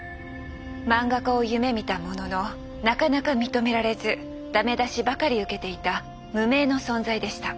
漫画家を夢みたもののなかなか認められずダメ出しばかり受けていた無名の存在でした。